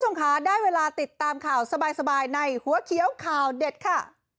คุณผู้ชมคะได้เวลาติดตามข่าวสบายในหัวเขียวข่าวเด็ดค่ะ